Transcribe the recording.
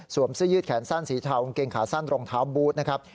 เสื้อยืดแขนสั้นสีเทากางเกงขาสั้นรองเท้าบูธนะครับ